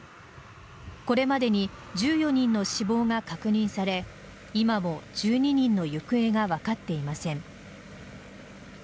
これまでに１４人の死亡が確認され今も１２人の行方が分かっていません。